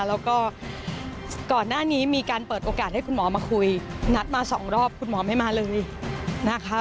แล้วก็ก่อนหน้านี้มีการเปิดโอกาสให้คุณหมอมาคุยนัดมาสองรอบคุณหมอไม่มาเลยนะคะ